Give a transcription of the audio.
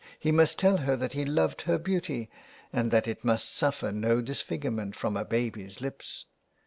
He must tell her that he loved her beauty, and that it must suffer no disfigurement from a baby's lips.